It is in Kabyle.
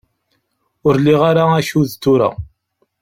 Ur liɣ ara akud tura.